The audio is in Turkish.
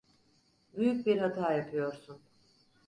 Büyük bir hata yapıyorsun.